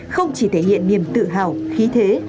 không chỉ thể hiện niềm tự hào khí thế